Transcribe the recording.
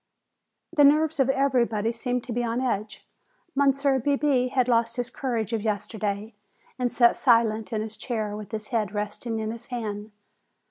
The nerves of everybody seemed to be on edge. Monsieur Bebé had lost his courage of yesterday and sat silent in his chair with his head resting in his hand.